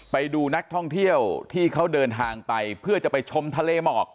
ไปดูนักท่องเที่ยวที่เขาเดินทางไปเพื่อจะไปชมทะเลหมอก